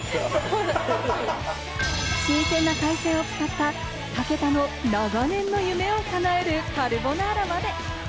新鮮な海鮮を使った武田の長年の夢を叶えるカルボナーラまで！